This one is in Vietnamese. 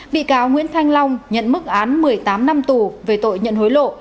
bị cáo nguyễn thanh long nhận mức án một mươi tám năm tù về tội nhận hối lộ